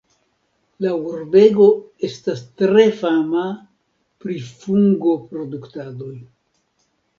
La urbego estas tre fama pri fungoproduktadoj.